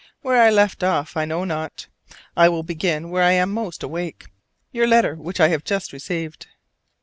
Where I left off I know not: I will begin where I am most awake your letter which I have just received.